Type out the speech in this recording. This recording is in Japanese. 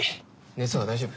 熱は大丈夫？